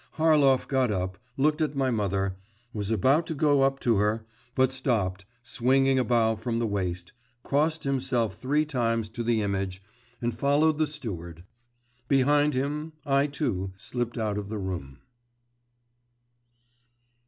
Harlov got up, looked at my mother, was about to go up to her, but stopped, swinging a bow from the waist, crossed himself three times to the image, and followed the steward. Behind him, I, too, slipped out of the room.